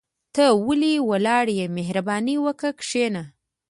ته ولي ولاړ يى مهرباني وکاه کشينه